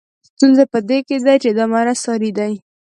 ستونزه په دې کې ده چې دا مرض ساري دی.